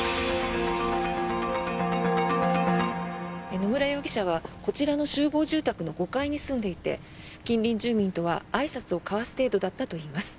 野村容疑者はこちらの集合住宅の５階に住んでいて近隣住民とはあいさつを交わす程度だったといいます。